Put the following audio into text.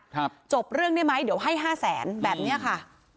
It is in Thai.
จบเรื่องได้ไหมเดี๋ยวให้ห้าแสนแบบเนี้ยค่ะ